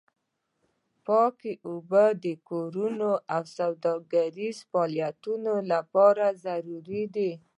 پاکې اوبه د کورنیو او سوداګریزو فعالیتونو لپاره ضروري دي.